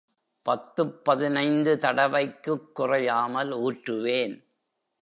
பத்துப் பதினைந்து தடவைக்குக் குறையாமல் ஊற்றுவேன்.